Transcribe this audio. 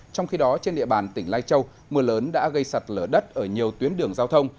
trong khi đó trên địa bàn tỉnh lai châu mưa lớn đã gây sạt lở đất ở nhiều tuyến đường giao thông